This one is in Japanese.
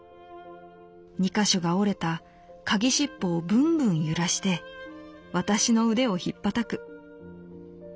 二か所が折れたカギしっぽをぶんぶん揺らして私の腕をひっぱたく。